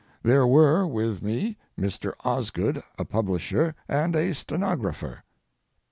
There were with me Mr. Osgood, a publisher, and a stenographer.